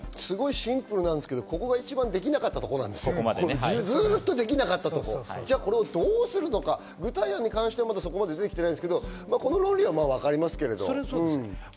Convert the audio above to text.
シンプルなんですけど、ここが一番できなかったこと、ずっとできなかったとこ、これをどうするのか、具体案はそこまで出てきてないですけど、これはわかりますけど。